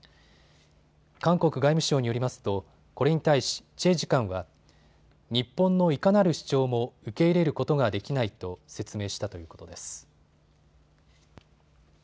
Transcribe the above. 韓国外務省によりますとこれに対し、チェ次官は日本のいかなる主張も受け入れることができないと説明したということです。